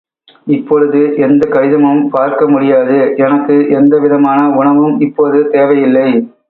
இப்பொழுது, எந்தக் கடிதமும் பார்க்க முடியாது, எனக்கு எந்த விதமான உணவும் இப்போது தேவையில்லை.